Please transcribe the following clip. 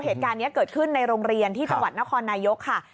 เหตุการณ์นี้เกิดขึ้นในโรงเรียนที่จังหวัดนครนายกค่ะ